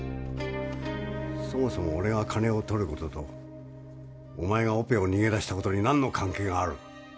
そもそも俺が金を取ることとお前がオペを逃げ出したことに何の関係がある？